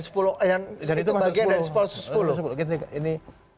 itu bagian dari sepuluh